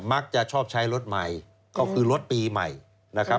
มักจะชอบใช้รถใหม่ก็คือรถปีใหม่นะครับ